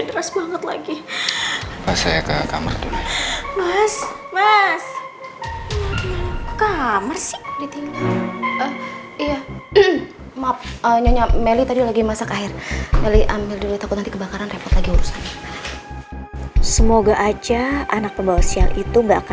nanti kalau kamu udah masuk